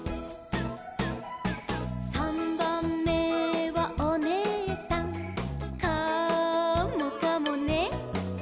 「さんばんめはおねえさん」「カモかもね」